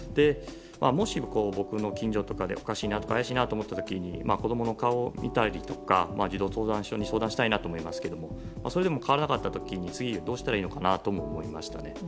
もし僕の近所とかでおかしいなとか怪しいなって思った時に子供の顔を見たりとか児童相談所に相談したいなと思いますけどそれでも変わらなかった時次どうしたらいいのかなとも思いました。